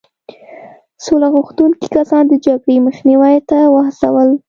سوله غوښتونکي کسان د جګړې مخنیوي ته وهڅول.